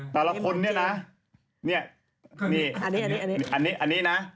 แต่ละคนนี้นะ